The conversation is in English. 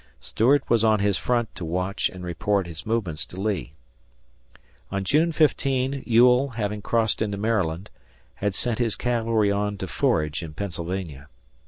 Stuart was on his front to watch and report his movements to Lee. On June 15, Ewell, having crossed into Maryland, had sent his cavalry on to forage in Pennsylvania.